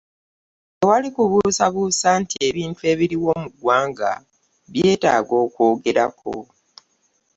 Tewali kubuusabuusa nti ebintu ebiriwo mu ggwanga byetaaga okwogerako